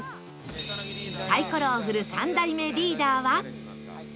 サイコロを振る３代目リーダーは？